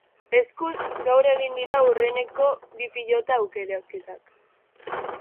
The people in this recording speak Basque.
Eskuz, gaur egin dira aurreneko bi pilota aukeraketak.